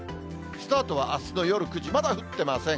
スタートはあすの夜９時、まだ降ってません。